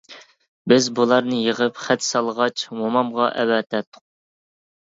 بىز بۇلارنى يېغىپ خەت سالغاچ مومامغا ئەۋەتەتتۇق.